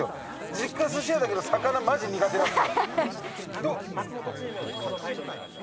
実家寿司屋だけど魚マジ苦手なんです。